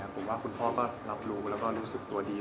ผมว่าคุณพ่อก็รับรู้แล้วก็รู้สึกตัวดี